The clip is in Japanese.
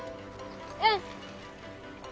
うん！